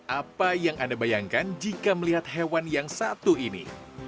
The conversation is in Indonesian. apa yang anda bayangkan jika melihat hewan yang satu ini